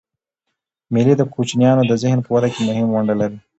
مېلې د کوچنيانو د ذهن په وده کښي مهمه ونډه لري.